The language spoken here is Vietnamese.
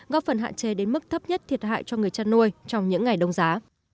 góp phần hạn chế đến mức thấp nhất thiệt hại cho người chăn nuôi trong những ngày đông giá